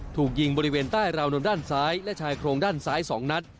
ถูกยิงบริเวณใต้ราวนมด้านซ้ายและชายโครงด้านซ้าย๒นัด